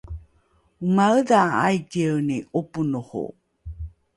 omaedha aikieni ’oponoho?